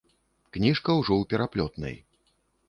Кніжка ўжо ў пераплётнай.